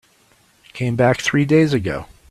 Came back three days ago.